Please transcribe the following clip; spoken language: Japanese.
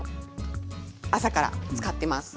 朝から使ってます。